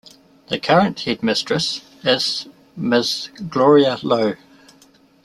The current headmistress is Ms Gloria Lowe.